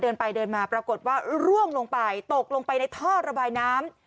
เดินไปเดินมาปรากฏว่าร่วงลงไปตกลงไปในท่อระบายน้ำ